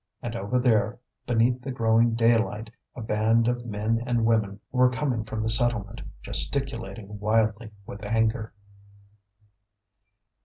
And over there, beneath the growing daylight, a band of men and women were coming from the settlement, gesticulating wildly with anger.